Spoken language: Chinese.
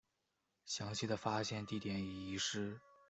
详细的发现地点已遗失。